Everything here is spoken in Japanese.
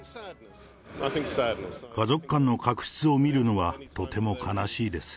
家族間の確執を見るのはとても悲しいです。